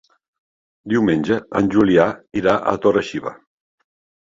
Diumenge en Julià irà a Torre-xiva.